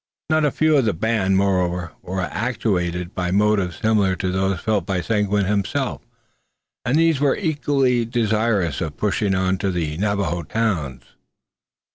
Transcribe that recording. Not a few of the band, moreover, were actuated by motives similar to those felt by Seguin himself, and these were equally desirous of pushing on to the Navajo towns.